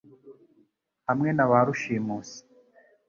hamwe na ba Rushimusi,